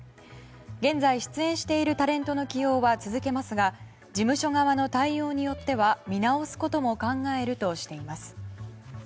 現在出演しているタレントの起用は続けますが事務所側の対応によっては見直すことも考えるとしています。